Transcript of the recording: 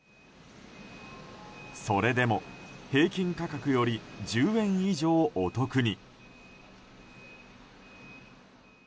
それでも平均価格より１０円以上、お得に。